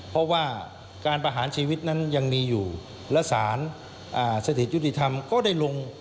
เพราะว่าการประหารชีวิตนั้นยังมีอยู่และสารสถิตยุติธรรมก็ได้ลง